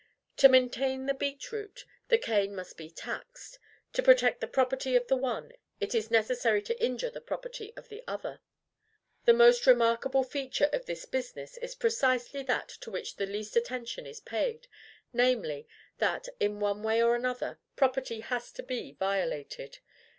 To maintain the beet root, the cane must be taxed: to protect the property of the one, it is necessary to injure the property of the other. The most remarkable feature of this business is precisely that to which the least attention is paid; namely, that, in one way or another, property has to be violated.